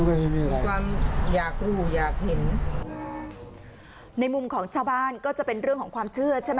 มีความอยากรู้อยากเห็นในมุมของชาวบ้านก็จะเป็นเรื่องของความเชื่อใช่ไหม